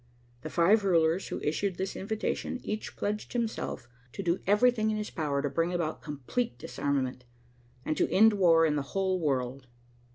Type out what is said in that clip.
The five rulers who issued this invitation each pledged himself to do everything in his power to bring about complete disarmament, and to end war in the whole world.